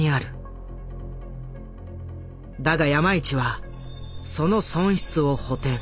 だが山一はその損失を補てん。